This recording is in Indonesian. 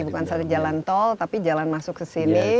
bukan satu jalan tol tapi jalan masuk ke sini